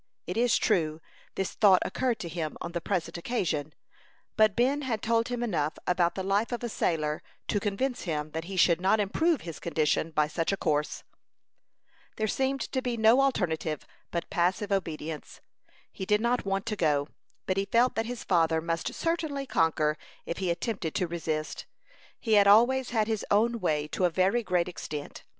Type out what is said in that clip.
It is true, this thought occurred to him on the present occasion; but Ben had told him enough about the life of a sailor to convince him that he should not improve his condition by such a course. There seemed to be no alternative but passive obedience. He did not want to go, but he felt that his father must certainly conquer if he attempted to resist. He had always had his own way to a very great extent.